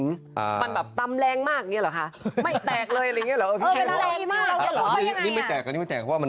มันแบบตำแรงมากนะนี่เหรอคะ